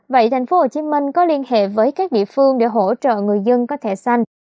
vậy tp hcm có liên hệ với các địa phương để hỗ trợ người dân có thể xanh